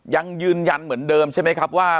ยังยืนยันเหมือนเดิมใช่ไหมครับว่า